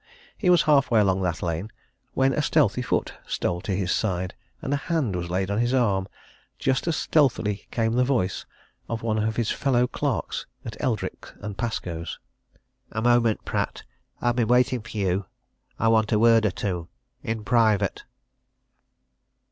He was half way along that lane when a stealthy foot stole to his side, and a hand was laid on his arm just as stealthily came the voice of one of his fellow clerks at Eldrick & Pascoe's. "A moment, Pratt! I've been waiting for you. I want a word or two in private!"